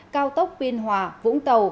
cao tốc biên hòa vũng tàu